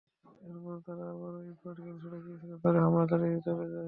এরপর তারা আবারও ইট-পাটকেল ছুড়ে কিছুক্ষণ ধরে হামলা চালিয়ে চলে যায়।